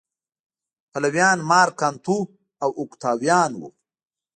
پلویان مارک انتو او اوکتاویان و